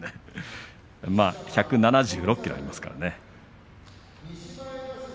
１７６ｋｇありますからね。